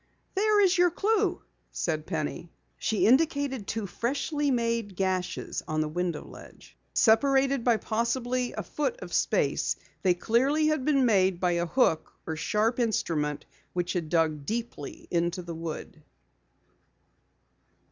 "There is your clue," said Penny. She indicated two freshly made gashes on the window ledge. Separated by possibly a foot of space, they clearly had been made by a hook or sharp instrument which had dug deeply into the wood.